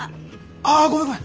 あごめんごめん。